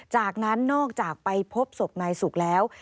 จากนั้นนอกจากไปพบศพนายสุกแล้ว